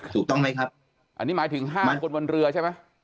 ถูกต้องไหมครับอันนี้หมายถึง๕หมายคนบนเรือใช่ไหม